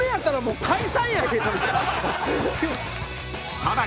［さらに］